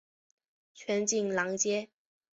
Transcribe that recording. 全景廊街。